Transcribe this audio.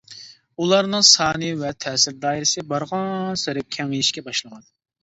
ئۇلارنىڭ سانى ۋە تەسىر دائىرىسى بارغانسېرى كېڭىيىشكە باشلىغان.